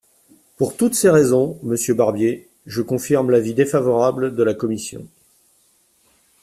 Pour toutes ces raisons, monsieur Barbier, je confirme l’avis défavorable de la commission.